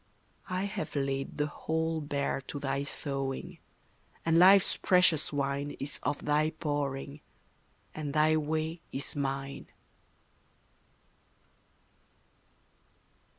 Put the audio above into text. I have laid the whole Bare to thy sowing; and life's precious wine Is of thy pouring, and thy way is mine.